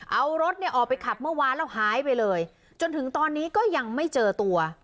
เอารถเนี่ยออกไปขับเมื่อวานแล้วหายไปเลยจนถึงตอนนี้ก็ยังไม่เจอตัว